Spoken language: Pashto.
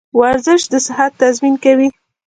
ورزش د صحت تضمین کوي.